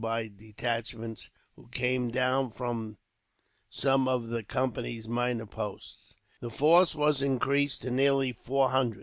By detachments, who came down from some of the Company's minor posts, the force was increased to nearly four hundred.